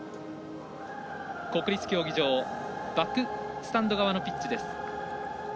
国立競技場バックスタンド側のピッチです。